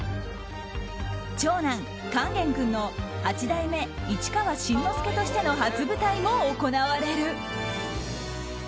長男・勸玄君の八代目市川新之助としての初舞台も行われる。